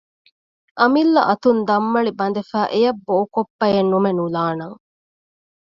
އަމިއްލަ އަތުން ދަންމަޅި ބަނދެފައި އެއަށް ބޯކޮއްޕައެއް ނުމެ ނުލާނަން